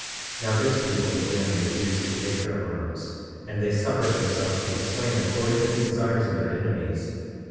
27:3 Now this people again refused to take their arms, and they suffered themselves to be slain according to the desires of their enemies.